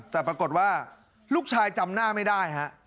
แต่ปรากฏว่าลูกชายจำหน้าไม่ได้ฮะ